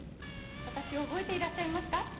私を覚えていらっしゃいますか？」